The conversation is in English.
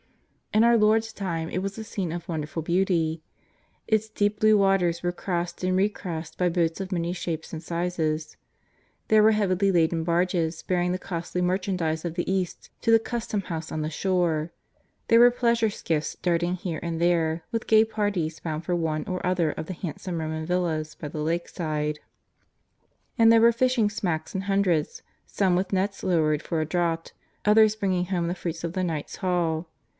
In our Lord's time it was a scene of wonderful beauty. Its deep blue waters were crossed and recrossed by boats of many shapes and sizes. There were heavily laden barges bearing the costly merchandise of the East to the custom house on the shore ; there were pleasure skiffs darting here and there with gay parties bound for one or other of the handsome Poman villas by the Lakeside ; and there were fishing smacks in hundreds, some with nets lowered for a draught, others bringing home the fruits of the night's haul.